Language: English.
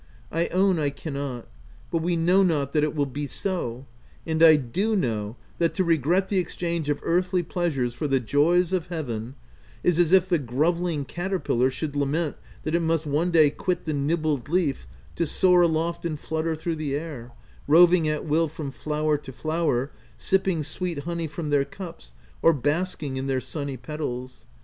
" I own I cannot ; but we know not that it will be so ;— and I do know that to regret the exchange of earthly pleasures for the joys of heaven, is as if the grovelling caterpillar should lament that it must one day quit the nibbled leaf to soar aloft and flutter through the air, roving at will from flower to flower, sipping sweet honey from their cups or basking in their sunny petals.